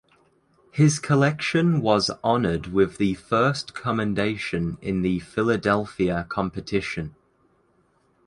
His collection was honored with the first commendation in the Philadelphia competition.